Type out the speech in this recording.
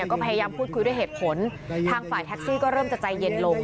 ก็พยายามพูดคุยด้วยเหตุผลทางฝ่ายแท็กซี่ก็เริ่มจะใจเย็นลง